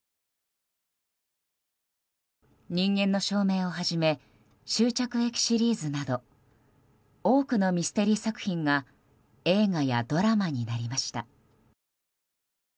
「人間の証明」をはじめ「終着駅」シリーズなど多くのミステリー作品が映画やドラマになりました。